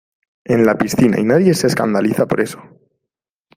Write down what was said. en la piscina y nadie se escandaliza por eso.